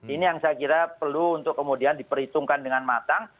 ini yang saya kira perlu untuk kemudian diperhitungkan dengan matang